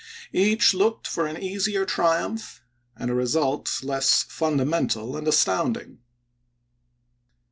Each looked for an easier triumph, and a result less fundamental and astounding.